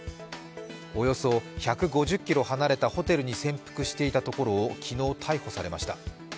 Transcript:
およそ１５０ｋｍ離れたホテルに潜伏していたところを昨日、逮捕されました。